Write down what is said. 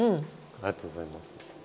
ありがとうございます。